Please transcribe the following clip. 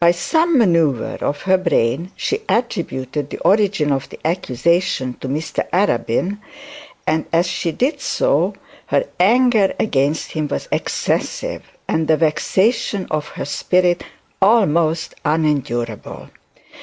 By some manoeuvre of her brain, she attributed the origin of the accusation to Mr Arabin, and as she did so her anger against him was excessive, and the vexation of her spirit almost unendurable.